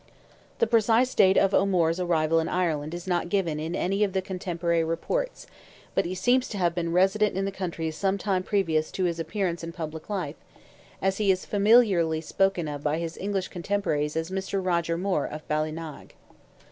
The precise date of O'Moore's arrival in Ireland is not given in any of the cotemporary accounts, but he seems to have been resident in the country some time previous to his appearance in public life, as he is familiarly spoken of by his English cotemporaries as "Mr. Roger Moore of Ballynagh."